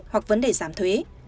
hoặc vấn đề giảm thuế